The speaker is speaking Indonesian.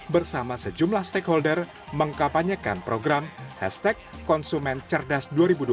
bersama sejumlah stakeholder mengkapanyekan program hashtag konsumen cerdas dua ribu dua puluh